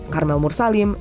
karma umur salim